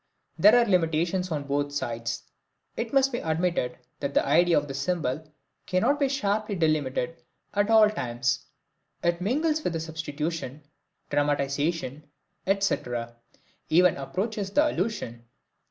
There are limitations on both sides. It must be admitted that the idea of the symbol cannot be sharply delimited at all times it mingles with the substitution, dramatization, etc., even approaches the allusion.